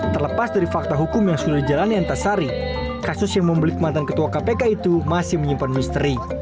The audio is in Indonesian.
terlepas dari fakta hukum yang sudah dijalani antasari kasus yang membelit mantan ketua kpk itu masih menyimpan misteri